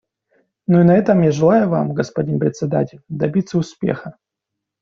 Ну и на этом я желаю вам, господин Председатель, добиться успеха.